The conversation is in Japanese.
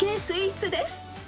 スイーツです］